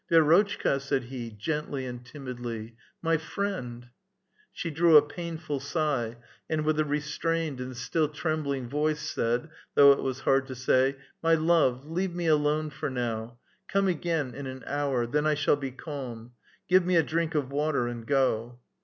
" Vi6rotchka," said he, gently and timidly, " my friend !" She drew a painful sigh, and with a restrained and still trembling voice said, though it was hard to say :—" My love, leave me alone for now. Come again in an hour. Then I shall be calm. Give me a drink of water, and go!"